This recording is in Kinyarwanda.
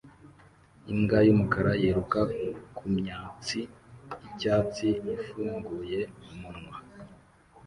Imbwa yumukara yiruka kumyatsi yicyatsi ifunguye umunwa